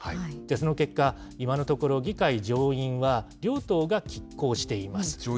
その結果、今のところ、議会上院は両党がきっ抗しています。